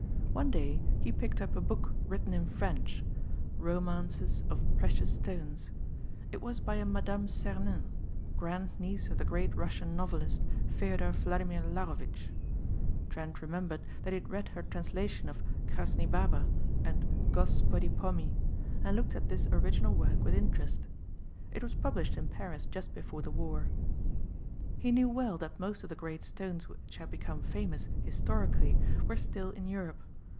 One day he picked up a book, written in French, "Romances of Precious Stones." It was by a Madame Sernin, grandniece of the great Russian novelist Feoder Vladimir Larrovitch. Trent remembered that he had read her translation of Crasny Baba and Gospodi Pomi, and looked at this original work with interest. It was published in Paris just before the war. He knew well that most of the great stones which had became famous historically were still in Europe.